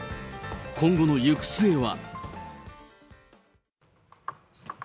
今後の行く末は。